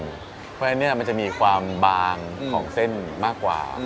เพราะฉะนั้นมันจะมีความบางของเส้นมากกว่า